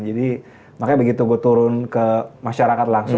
jadi makanya begitu gue turun ke masyarakat langsung